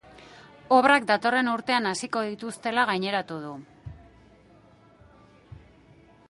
Obrak datorren urtean hasiko dituztela gaineratu du.